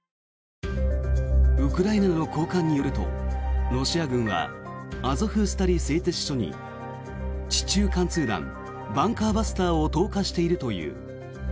ウクライナの高官によるとロシア軍はアゾフスタリ製鉄所に地中貫通弾、バンカーバスターを投下しているという。